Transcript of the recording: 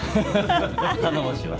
頼もしいわ。